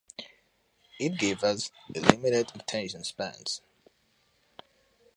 It gives us limited attention spans.